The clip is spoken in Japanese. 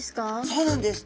そうなんです。